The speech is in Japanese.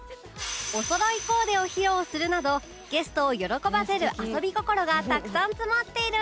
おそろいコーデを披露するなどゲストを喜ばせる遊び心がたくさん詰まっているんです